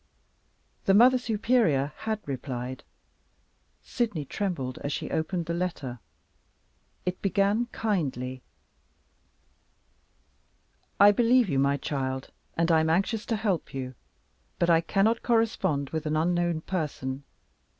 The Mother Superior had replied. Sydney trembled as she opened the letter. It began kindly. "I believe you, my child, and I am anxious to help you. But I cannot correspond with an unknown person.